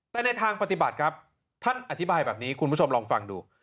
แต่ในทางปฏิบัติครับท่านอธิบายแบบนี้คุณผู้ชมลองฟังดู